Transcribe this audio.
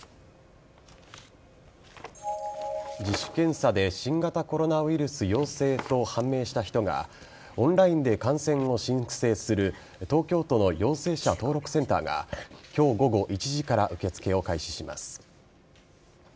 自主検査で新型コロナウイルス陽性と判明した人がオンラインで感染を申請する東京都の陽性者登録センターが今日午後１時から受け付けを開始します。